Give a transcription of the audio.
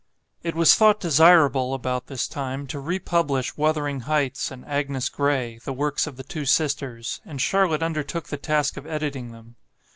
It was thought desirable about this time, to republish "Wuthering Heights" and "Agnes Grey", the works of the two sisters, and Charlotte undertook the task of editing them.